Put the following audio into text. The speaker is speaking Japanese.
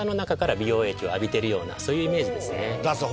そういうイメージですね。